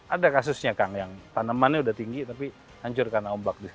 ada kasusnya kan yang tanamannya sudah tinggi tapi hancur karena ombak disini